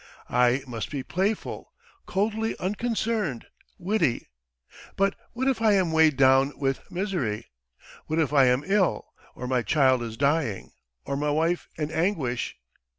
I must be playful, coldly unconcerned, witty, but what if I am weighed down with misery, what if I am ill, or my child is dying or my wife in anguish!"